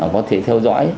có thể theo dõi